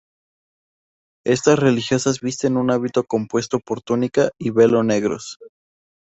Estas religiosas visten un hábito compuesto por túnica y velo negros.